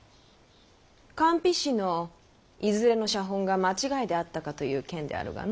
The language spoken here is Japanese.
韓非子のいずれの写本が間違いであったかという件であるがの。